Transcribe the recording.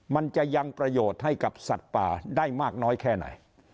มันจะยังประโยชน์ให้กับสัตว์ป่าได้มากน้อยแค่ไหน